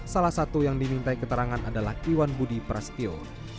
salah satu yang dimintai keterangan adalah iwan budi prasetyo